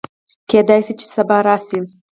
کېدی شي چې سبا راشي